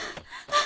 ああ。